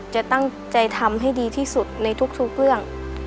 จะตั้งใจทำให้ดีที่สุดในทุกเรื่อง